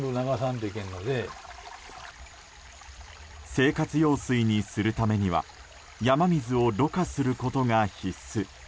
生活用水にするためには山水をろ過することが必須。